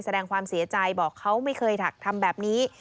แสดงความเสียใจบอกเขาไม่เคยทำแบบนี้